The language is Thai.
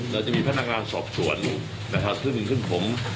เราจะมีพนักงานสอบสวนนะครับซึ่งขึ้นผม